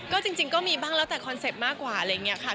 ก็จริงก็มีบ้างแล้วแต่คอนเซ็ปต์มากกว่าอะไรอย่างนี้ค่ะ